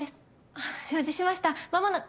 あっ承知しました間もな。